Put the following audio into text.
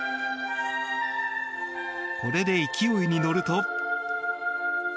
これで勢いに乗ると。